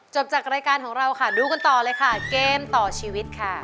จากรายการของเราค่ะดูกันต่อเลยค่ะเกมต่อชีวิตค่ะ